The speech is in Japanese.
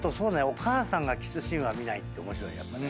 お母さんがキスシーンは見ないって面白い。